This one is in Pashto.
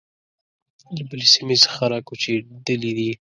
له بلې سیمې څخه را کوچېدلي دي.